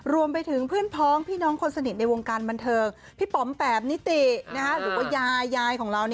รวมไปถึงเพื่อนพ้องพี่น้องคนสนิทในวงการบันเทิงพี่ป๋อมแปบนิติหรือว่ายายยายของเรา